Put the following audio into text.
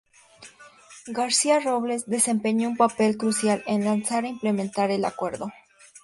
García Robles desempeñó un papel crucial en lanzar e implementar el acuerdo.